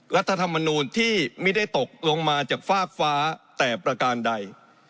รัฐธรรมนูลที่ไม่ได้ตกลงมาจากฟากฟ้าแต่ประการใด